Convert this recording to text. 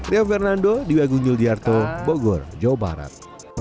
rio fernando diwa gunjul diarto bogor jawa barat